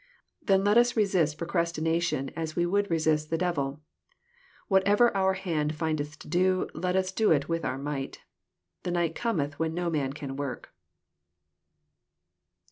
Then let us resist procrastination as we would resist the devil. Whatever our hand findeth to do, let us do it with our might. "The night cometh, when no man can work."